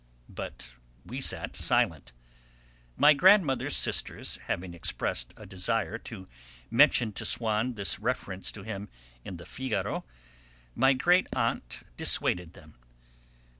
But we sat silent. My grandmother's sisters having expressed a desire to mention to Swann this reference to him in the Figaro, my great aunt dissuaded them.